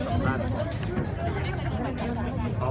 คุยคุยกัน